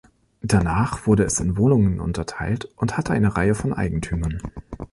Danach wurde es in Wohnungen unterteilt und hatte eine Reihe von Eigentümern.